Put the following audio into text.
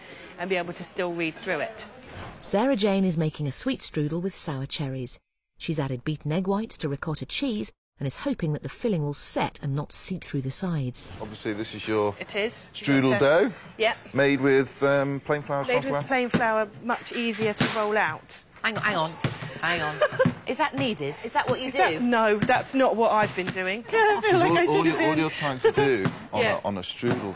はい。